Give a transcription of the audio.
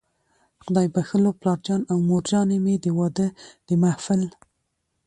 خدای بښلو پلارجان او مورجانې مې، د واده د محفل